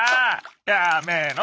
やめろ！